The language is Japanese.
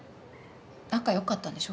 仲良かったんでしょ？